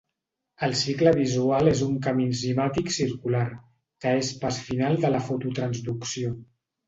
El cicle visual és un camí enzimàtic circular, que és pas final de la fototransducció.